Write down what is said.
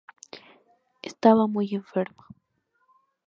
Estaba muy enferma.